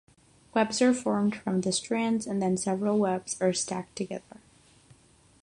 Webs are formed from the strands and then several webs are stacked together.